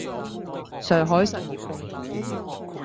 上海實業控股